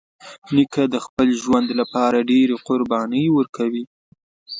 نیکه د خپل ژوند له پاره ډېری قربانۍ ورکوي.